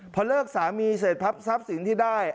พอเลิกสามีเสร็จพับสร้างสินที่ได้